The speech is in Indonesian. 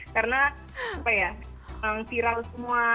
karena apa ya viral semua